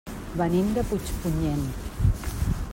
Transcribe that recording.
Venim de Puigpunyent.